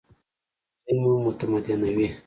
ښوونځی مو متمدنوي